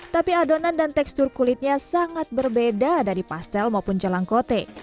tapi adonan dan tekstur kulitnya sangat berbeda dari pastel maupun jalangkote